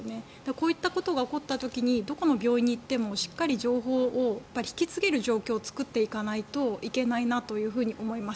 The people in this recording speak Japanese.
こういったことが起こった時にどこの病院に行ってもしっかり情報を引き継げる状況を作っていかないといけないなと思います。